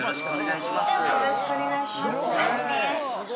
よろしくお願いします。